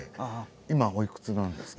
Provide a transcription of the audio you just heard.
今おいくつなんですか？